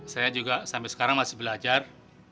saya juga sampai sekarang masih belajar